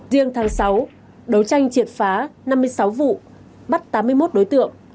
riêng tháng sáu đấu tranh triệt phá năm mươi sáu vụ bắt tám mươi một đối tượng